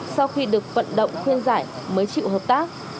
sau khi được vận động khuyên giải mới chịu hợp tác